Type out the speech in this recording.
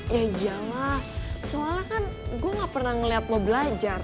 ya iyalah soalnya kan gue gak pernah ngeliat lo belajar